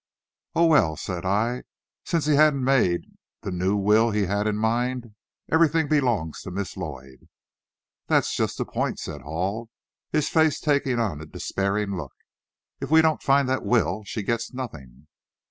"Oh, well," said I, "since he hadn't yet made the new will he had in mind, everything belongs to Miss Lloyd." "That's just the point," said Hall, his face taking on a despairing look. "If we don't find that will, she gets nothing!"